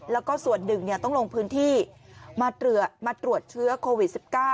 แล้วก็ส่วนหนึ่งต้องลงพื้นที่มาตรวจเชื้อโควิด๑๙